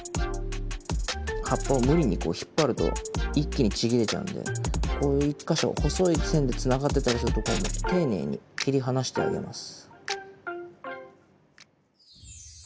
葉っぱを無理に引っ張ると一気にちぎれちゃうんでこう一か所細い線でつながってたりするところもていねいに切り離してあげます。